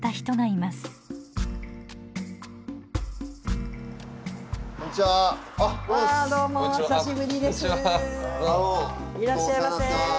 いらっしゃいませどうも。